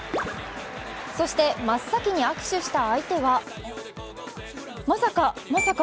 そして真っ先に握手した相手はまさか、まさか、